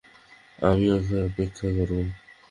আমি অপেক্ষা করব।